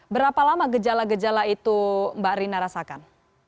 berapa lama gejala gejala itu mbak rina rasakan